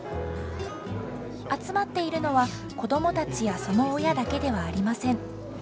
集まっているのはこどもたちやその親だけではありません。